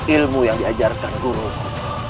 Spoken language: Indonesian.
ilmu yang diajarkan guruku